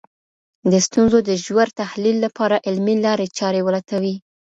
د ستونزو د ژور تحلیل لپاره علمي لاري چارې ولټوئ.